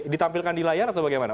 ditampilkan di layar atau bagaimana